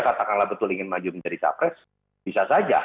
katakanlah betul ingin maju menjadi capres bisa saja